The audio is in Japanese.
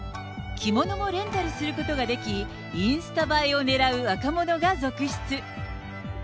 着物もレンタルすることができ、インスタ映えをねらう若者が続出。